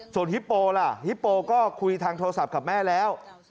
ส่วนฮิปโปล่ะฮิปโปก็คุยทางโทรศัพท์กับแม่แล้ว